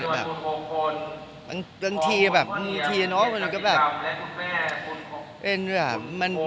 บางทีเนาะมันก็แบบ